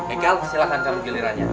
ekal silahkan kamu gilirannya